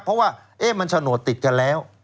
เพราะว่ามันโฉนดติดกันแล้ว